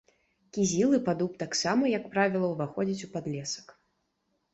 Кізіл і падуб таксама, як правіла, уваходзяць у падлесак.